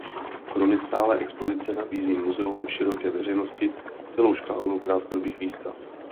Kromě stálé expozice nabízí muzeum široké veřejnosti celou škálu krátkodobých výstav.